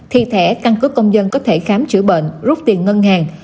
thì thẻ căn cước công dân có thể khám chữa bệnh rút tiền ngân hàng